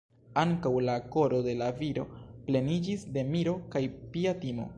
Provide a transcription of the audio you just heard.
Ankaŭ la koro de la viro pleniĝis de miro kaj pia timo.